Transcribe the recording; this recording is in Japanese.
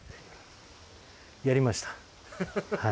やりましたはい。